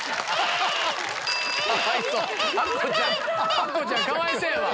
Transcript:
アッコちゃんかわいそうやわ。